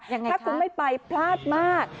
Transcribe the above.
ยังไงถ้าคุณไม่ไปพลาดมาก